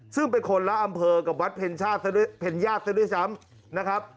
ซึ่งเป็นคนละอำเภอกับวัดเผญยาดศรีริชาภ